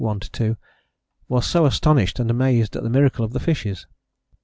i ii) was so astonished and amazed at the miracle of the fishes.